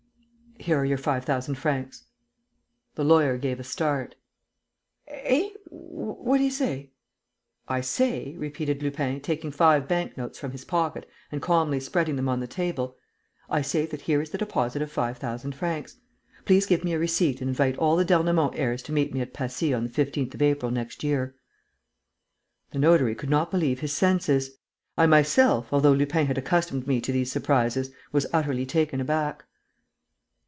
"Here are your five thousand francs." The lawyer gave a start: "Eh? What do you say?" "I say," repeated Lupin, taking five bank notes from his pocket and calmly spreading them on the table, "I say that here is the deposit of five thousand francs. Please give me a receipt and invite all the d'Ernemont heirs to meet me at Passy on the 15th of April next year." The notary could not believe his senses. I myself, although Lupin had accustomed me to these surprises, was utterly taken back.